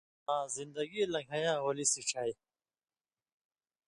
آں زِن٘دگی لَن٘گَھیں یاں ولی سِڇھیائ۔